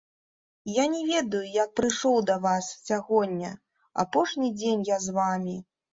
Я не ведаю, як прыйшоў да вас сягоння, апошні дзень я з вамі.